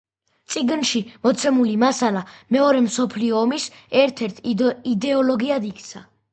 წიგნში მოცემული მასალა მეორე მსოფლიო ომის ერთ-ერთ იდეოლოგიად იქცა.